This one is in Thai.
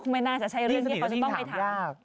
ไม่น่าจะใช่เรื่องที่เขาจะต้องไปถาม